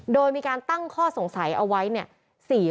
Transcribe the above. โดยมีการตั้งข้อสงสัยเอาไว้เนี่ย